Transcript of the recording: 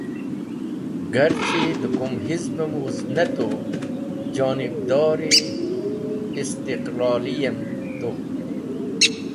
Garchi dẽ kum hizbem wuz ne tu, jonibdor-e istiqloliyatem tu.